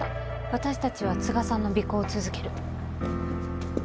私たちは都賀さんの尾行を続ける。